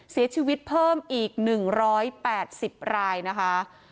เสียชีวิตเพิ่มอีก๑๘๐รายนะคะ